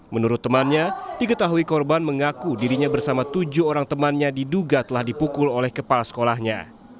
menurut temannya diketahui korban mengaku dirinya bersama tujuh orang temannya diduga telah dipukul oleh kepala sekolahnya